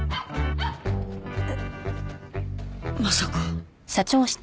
まさか。